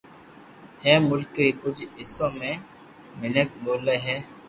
ھي ملڪ ري ڪجھ حصو ۾ ميينک ٻولي ھي